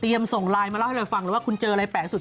ส่งไลน์มาเล่าให้เราฟังเลยว่าคุณเจออะไรแปลกสุด